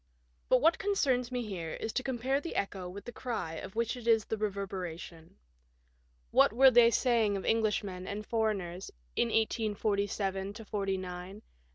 " But what concerns me here is to compare the echo with the cry of which it is the reverberation. What were they saying of Englishmen and foreigners in 1847 49, and what are they saying now?